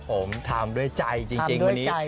ผมทำด้วยใจจริงวันนี้